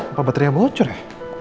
apa baterai bocor ya